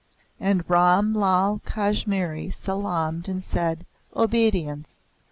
And Ram Lal Kashmiri salaamed and said, "Obedience!"